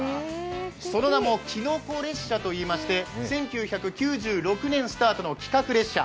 その名も、きのこ列車といいまして１９９６年スタートの企画列車。